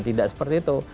tidak seperti itu